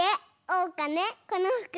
おうかねこのふく